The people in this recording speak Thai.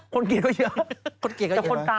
คนเกลียดก็เยอะ